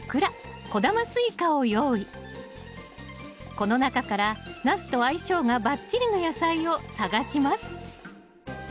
この中からナスと相性がばっちりの野菜を探します